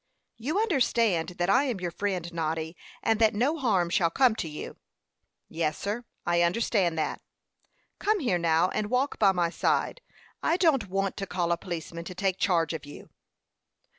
"You understand that I am your friend, Noddy, and that no harm shall come to you." "Yes, sir; I understand that." "Come here now, and walk by my side. I don't want to call a policeman to take charge of you."